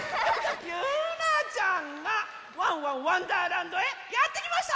ゆうなちゃんが「ワンワンわんだーらんど」へやってきました！